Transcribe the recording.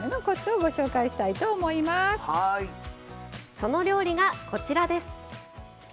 その料理がこちらです。